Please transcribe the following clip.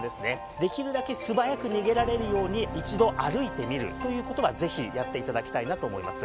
できるだけ素早く逃げられるように一度歩いてみるという事はぜひやって頂きたいなと思います。